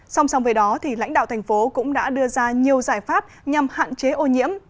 song song với đó lãnh đạo thành phố cũng đã đưa ra nhiều giải pháp nhằm hạn chế ô nhiễm